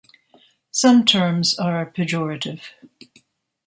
Some terms are pejorative.